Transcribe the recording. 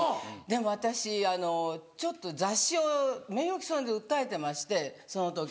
でも私ちょっと雑誌を名誉毀損で訴えてましてその時。